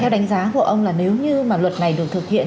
theo đánh giá của ông là nếu như mà luật này được thực hiện